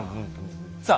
さあ